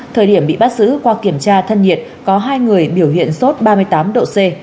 thời điểm bị bắt giữ qua kiểm tra thân nhiệt có hai người biểu hiện sốt ba mươi tám độ c